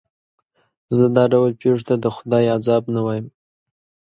زه دا ډول پېښو ته د خدای عذاب نه وایم.